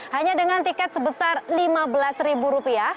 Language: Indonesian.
hanya dengan tiket sebesar rp lima belas